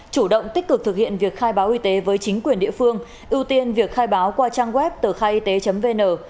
chủ động tích cực thực hiện việc khai báo y tế với chính quyền địa phương ưu tiên việc khai báo qua trang web tờ khaiyt vn